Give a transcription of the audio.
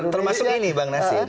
termasuk ini bang nasir